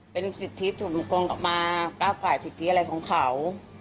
เป็นสิทธิสุดมุมกลงมาก้าวขายสิทธิอะไรของเขา